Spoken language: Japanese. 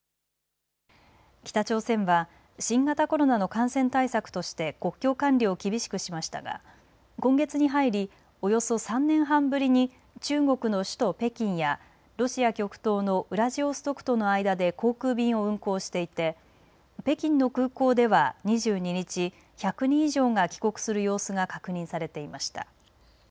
北朝鮮は新型コロナの感染対策として国境管理を厳しくしましたが今月に入りおよそ３年半ぶりに中国の首都・北京やロシア極東のウラジオストクとの間で航空便を運航していて北京の空港では２２日、１００人以上が帰国する様子が確認されていました。